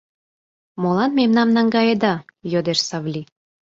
— Молан мемнам наҥгаеда? — йодеш Савли.